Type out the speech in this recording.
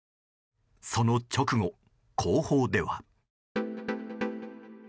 その直後、後方では。